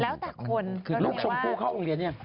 แล้วแต่คนคือลูกชมพู่เข้าโรงเรียนยัง